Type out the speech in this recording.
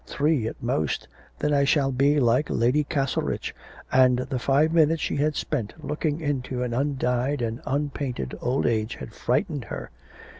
Three at most, then I shall be like Lady Castlerich.' And the five minutes she had spent looking into an undyed and unpainted old age had frightened her.